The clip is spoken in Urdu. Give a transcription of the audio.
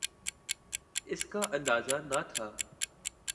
اس کا اندازہ نہ تھا۔